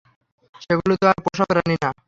সেগুলো তো আর পোষা প্রাণী না।